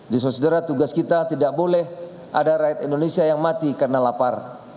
di saudara saudara tugas kita tidak boleh ada rakyat indonesia yang mati karena lapar